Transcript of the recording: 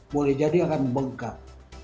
boleh jadi akan bengkak